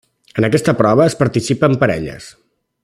En aquesta prova es participa amb parelles.